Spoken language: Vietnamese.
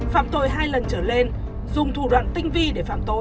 phạm tội hai lần trở lên dùng thủ đoạn tinh vi để phạm tội